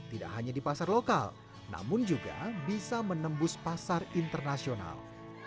tidak hanya di pasar lokal namun juga bisa menembus pasar internasional